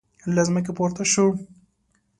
له ځمکې پورته شو.